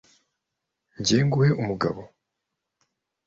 jye nguhe umugabo